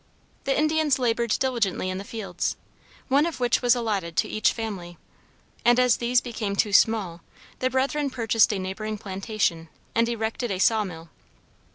The Indians labored diligently in the fields, one of which was allotted to each family; and as these became too small, the brethren purchased a neighboring plantation and erected a saw mill.